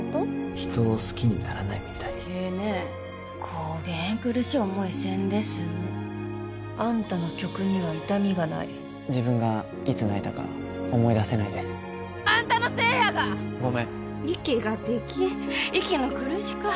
人を好きにならないみたいええねこげん苦しい思いせんですむ・あんたの曲には痛みがない自分がいつ泣いたか思い出せないですあんたのせいやがごめん息ができん息の苦しかええ